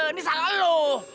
ini salah lo